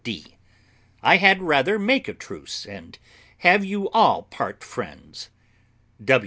D. I had rather make a truce, and have you all part friends.